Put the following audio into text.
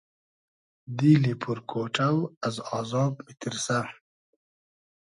دیلی پور کۉݖۆ از آزاب میتیرسۂ